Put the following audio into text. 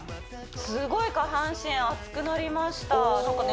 すごい下半身熱くなりましたなんかね